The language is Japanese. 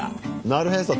なるへそ。